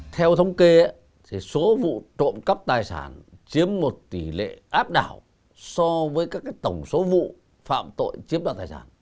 theo thống kê số vụ trộm cắp tài sản chiếm một tỷ lệ áp đảo so với các tổng số vụ phạm tội chiếm đoạt tài sản